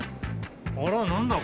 あら何だ？